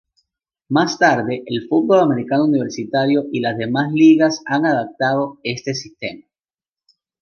Más tarde, el fútbol americano universitario y las demás ligas han adoptado este sistema.